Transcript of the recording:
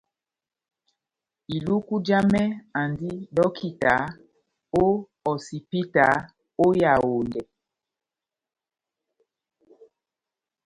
Iluku jamɛ andi dɔkita ó hosipita ó Yaondɛ.